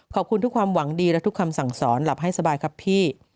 ขอบคุณทุกความหวังดีและทุกคำสั่งสอนหลับให้สบายครับพี่